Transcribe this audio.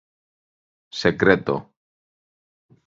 Secreto.